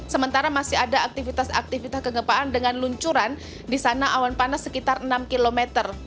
sementara masih ada aktivitas aktivitas kegempaan dengan luncuran di sana awan panas sekitar enam km